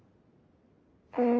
うん。